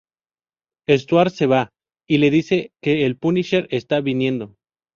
Stuart se va y le dice que el Punisher está viniendo.